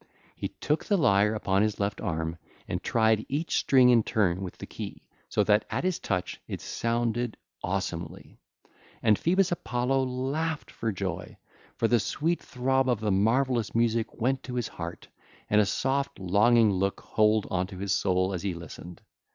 He took the lyre upon his left arm and tried each string in turn with the key, so that it sounded awesomely at his touch. And Phoebus Apollo laughed for joy; for the sweet throb of the marvellous music went to his heart, and a soft longing took hold on his soul as he listened.